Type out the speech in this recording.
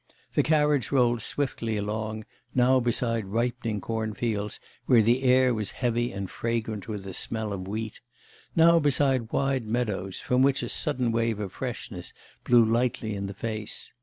The carriage rolled swiftly along, now beside ripening cornfields, where the air was heavy and fragrant with the smell of wheat; now beside wide meadows, from which a sudden wave of freshness blew lightly in the face.